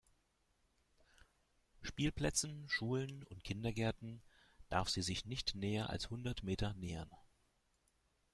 Spielplätzen, Schulen und Kindergärten darf sie sich nicht näher als hundert Meter nähern.